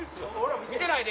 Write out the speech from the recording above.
見てないで！